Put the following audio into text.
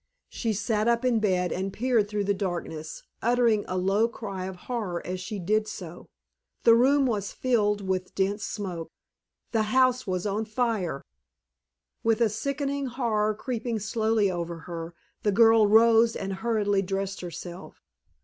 She sat up in bed and peered through the darkness, uttering a low cry of horror as she did so. The room was filled with dense smoke. The house was on fire! With a sickening horror creeping slowly over her, the girl rose and hurriedly dressed herself.